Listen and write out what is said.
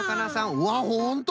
うわっほんと！